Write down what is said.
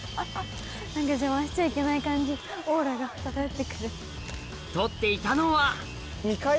何か邪魔しちゃいけない感じオーラが漂ってくる。